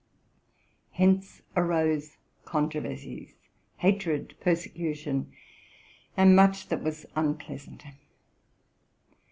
Hence arose contro versies, hatred, persecution, and much that was unpleasant.